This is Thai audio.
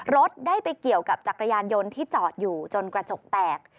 รถได้ไปเกี่ยวกับจักรยานยนต์ที่จอดอยู่จนกระจกแตก